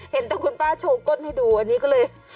เห็นแต่คุณป้าโชว์ก้นให้ดูอันนี้ก็เลย